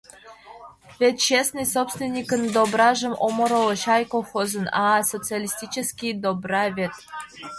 Вет частный собственникын дображым ом ороло... чай, колхозын... а-а, социалистический добра вет!..